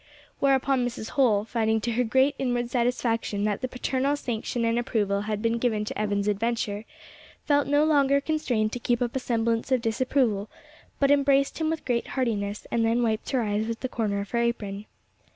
Whereupon Mrs. Holl, finding to her great inward satisfaction that the paternal sanction and approval had been given to Evan's adventure, felt no longer constrained to keep up a semblance of disapproval, but embraced him with great heartiness, and then wiped her eyes with the corner of her apron.